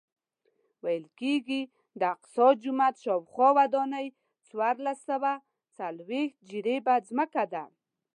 ویل کېږي د اقصی جومات شاوخوا ودانۍ څوارلس سوه څلوېښت جریبه ځمکه ده.